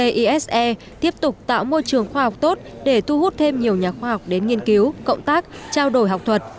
trung tâm ic ise tiếp tục tạo môi trường khoa học tốt để thu hút thêm nhiều nhà khoa học đến nghiên cứu cộng tác trao đổi học thuật